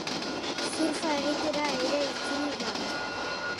Surfa egitera ere itzuli da.